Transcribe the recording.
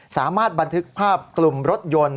สามารถบันทึกภาพกลุ่มรถยนต์